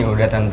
ya udah tante